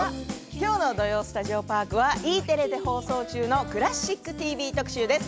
きょうの「土曜スタジオパーク」はＥテレで放送中の「クラシックＴＶ」特集です。